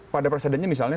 pada persedannya misalnya